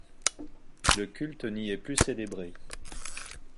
Le culte n’y est plus célébré.